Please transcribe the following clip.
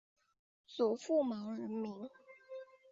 祖父毛仁民。